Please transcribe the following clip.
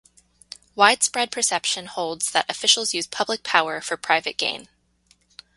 Widespread perception holds that officials use public power for private gain.